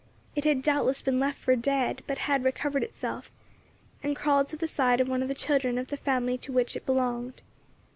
It had doubtless been left for dead, but had recovered itself, and crawled to the side of one of the children of the family to which it belonged.